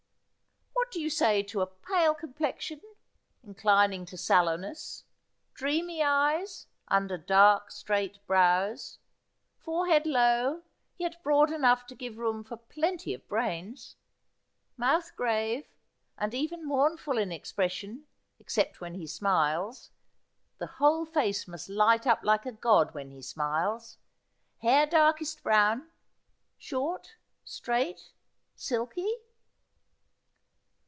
What do you say to a pale complexion, inclining to sallow ness ; dreamy eyes, under dark straight brows ; forehead low, yet broad enough to give room for plenty of brains ; mouth grave, and even mournful in expression, except when he smiles — the whole face must light up like a god's when he smiles ; hair darkest brown, short, straight, silky?'